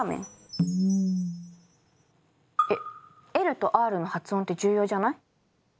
ＬとＲの発音って重要じゃない？